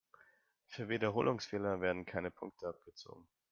Für Wiederholungsfehler werden keine Punkte abgezogen.